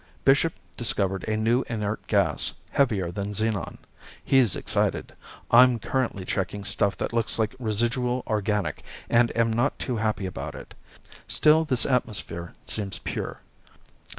Bishop discovered a new inert gas, heavier than Xenon. He's excited. I'm currently checking stuff that looks like residual organic, and am not too happy about it. Still, this atmosphere seems pure.